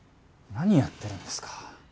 何やってるんですか！